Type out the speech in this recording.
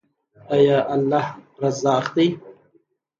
آیا الله رزاق دی؟